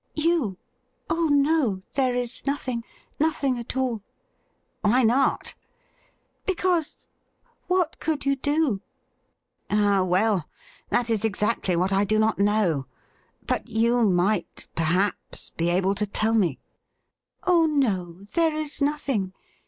' You ? Oh no, there is nothing — ^nothing at all.' ' Why not .P' ' Because — ^what could you do ?''' Ah, well, that is exactly what I do not know ; but you might, perhaps, be able to tell ine.' ' Oh no, there is nothing.